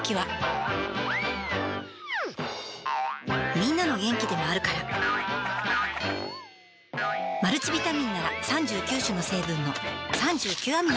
みんなの元気でもあるからマルチビタミンなら３９種の成分の３９アミノ